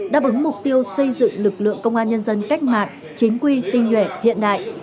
đáp ứng mục tiêu xây dựng lực lượng công an nhân dân cách mạng chính quy tinh nhuệ hiện đại